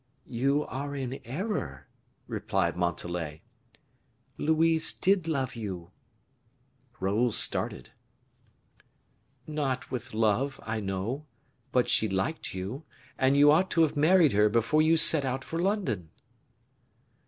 "You are in error," replied Montalais; "Louise did love you." Raoul started. "Not with love, I know; but she liked you, and you ought to have married her before you set out for London."